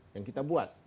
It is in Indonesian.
yang kita buat